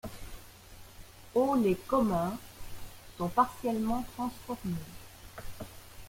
Au les communs sont partiellement transformés.